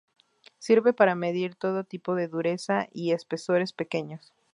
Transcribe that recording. Sirve para medir todo tipo de dureza, y espesores pequeños.